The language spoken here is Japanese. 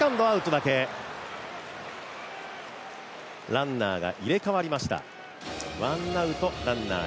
ランナーが入れ替わりました。